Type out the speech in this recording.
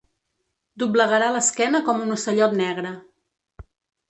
Doblegarà l'esquena com un ocellot negre.